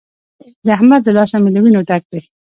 د احمد له لاسه مې له وينو ډک دی.